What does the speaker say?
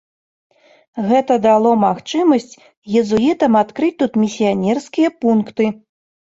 Гэта дало магчымасць езуітам адкрыць тут місіянерскія пункты.